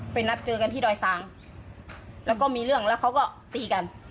นัดเจอกันที่ดอยซางแล้วก็มีเรื่องแล้วเขาก็ตีกัน